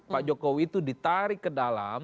pak jokowi itu ditarik ke dalam